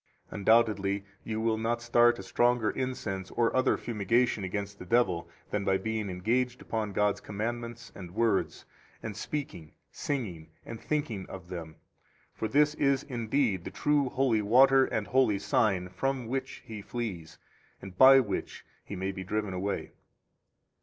Undoubtedly, you will not start a stronger incense or other fumigation against the devil than by being engaged upon God's commandments and words, and speaking, singing, or thinking of them. For this is indeed the true holy water and holy sign from which he flees, and by which he may be driven away.